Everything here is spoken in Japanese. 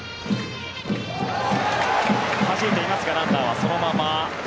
はじいていますがランナーはそのまま。